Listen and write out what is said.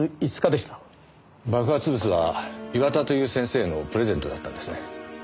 爆発物は岩田という先生へのプレゼントだったんですね。